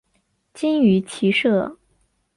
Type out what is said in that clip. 精于骑射。